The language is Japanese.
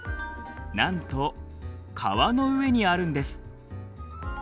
なんと川の上にあるんです。